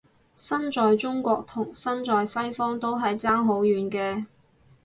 身在中國同身在西方都係爭好遠嘅